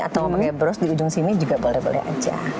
atau ngomongnya bros di ujung sini juga boleh boleh aja